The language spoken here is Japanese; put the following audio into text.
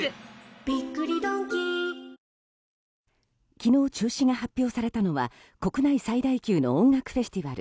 昨日、中止が発表されたのは国内最大級の音楽フェスティバル